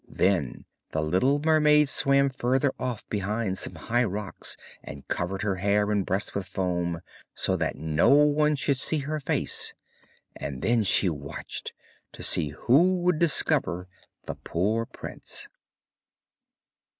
Then the little mermaid swam further off behind some high rocks and covered her hair and breast with foam, so that no one should see her little face, and then she watched to see who would discover the poor prince.